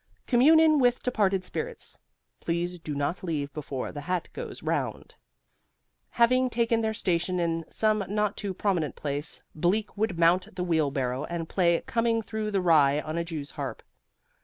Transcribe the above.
COMMUNION WITH DEPARTED SPIRITS Please Do Not Leave Before the Hat Goes Round Having taken their station in some not too prominent place, Bleak would mount the wheelbarrow and play Coming Through the Rye on a jew's harp.